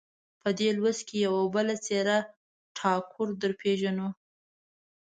په دې لوست کې یوه بله څېره ټاګور درپېژنو.